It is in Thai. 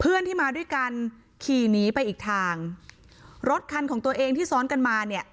เพื่อนที่มาด้วยกันขี่หนีไปอีกทางรถคันของตัวเองที่ซ้อนกันมาเนี่ย